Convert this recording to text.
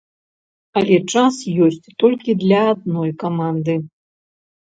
Але час ёсць толькі для адной каманды.